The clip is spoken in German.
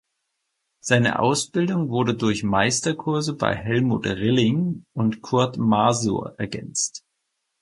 Seine Ausbildung wurde durch Meisterkurse bei Helmuth Rilling und Kurt Masur ergänzt.